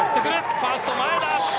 ファースト、前田。